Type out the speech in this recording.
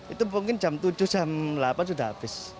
itu mungkin jam tujuh jam delapan sudah habis